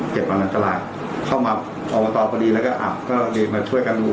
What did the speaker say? พี่อะไรอย่างนี้ก็เอาย้าย